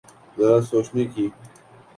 ذرا سوچنے کی۔